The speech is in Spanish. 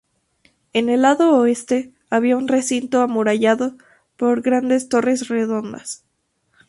En el lado oeste había un recinto amurallado por grandes torres redondas.